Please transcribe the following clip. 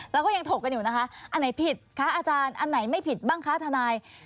แล้วก็ยังถกกันอยู่นะคะอันไหนผิดคะอาจารย์อันไหนไม่ผิดบ้างคะทนาย